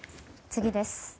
次です。